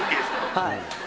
はい。